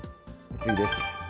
次です。